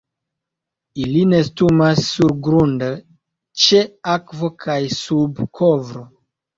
Ili nestumas surgrunde, ĉe akvo kaj sub kovro.